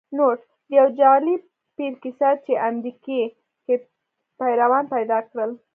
نوټ: د یو جعلې پیر کیسه چې امریکې کې پیروان پیدا کړل